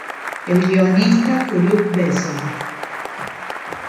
El guionista fue Luc Besson.